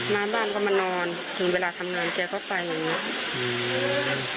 หน้าบ้านก็มานอนถึงเวลาทำงานแกก็ไปอย่างนี้